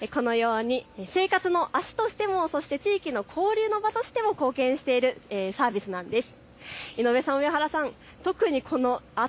このように生活の足としても、そして地域の交流の場としても貢献しているサービスなんです。